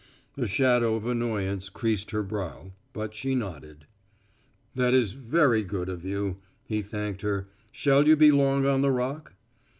A shadow of annoyance creased her brow, but she nodded. "That is very good of you," he thanked her. "Shall you be long on the Rock?"